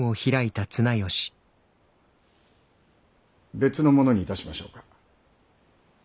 別のものにいたしましょうか。